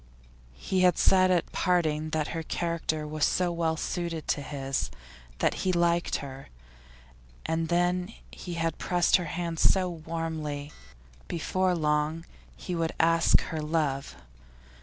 He had said at parting that her character was so well suited to his; that he liked her. And then he had pressed her hand so warmly. Before long he would ask her love.